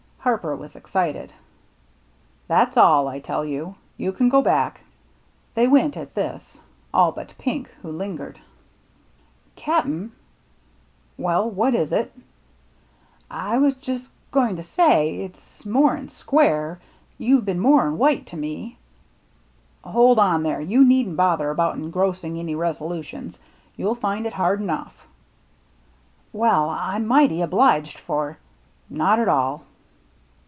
Harper was excited. " That's all, I tell you. You can go back." They went at this — all but Pink, who lingered. "Cap'n —" "Well, what is it?" " I was just goin* to say — it's more'n square — you've been more'n white to me —"" Hold on there. You needn't bother about BURNT COVE 135 engrossing any resolutions. You'll find it hard enough." "Well — I'm mighty obliged for —" "Not at all."